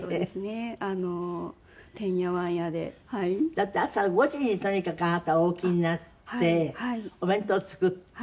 だって朝５時にとにかくあなたお起きになってお弁当作って。